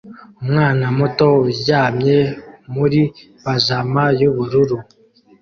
Umwana muto uryamye muri pajama yubururu